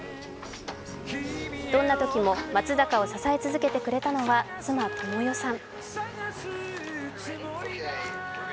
どんなときも松坂を支え続けてくれたのは妻・倫世さん。